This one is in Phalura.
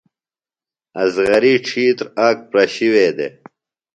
اصغری ڇھیتر آک پرشی وے دےۡ ۔